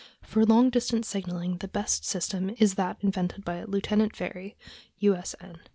For long distance signaling the best system is that invented by Lieutenant Very, U. S. N.